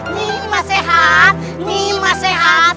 nyi mas sehat nyi mas sehat